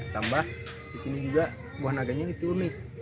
tambah disini juga buah naganya ini unik